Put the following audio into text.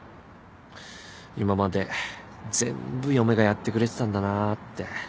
今まで全部嫁がやってくれてたんだなぁって。